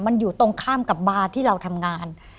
มันอยู่ตรงข้ามกับบาร์ที่เราทำงาน